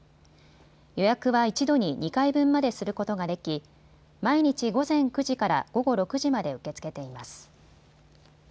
予約は１度に２回分まですることができ毎日午前９時から午後６時まで受け付けています。